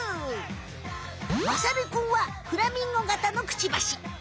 まさるくんはフラミンゴ型のクチバシ。